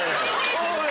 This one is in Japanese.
おい！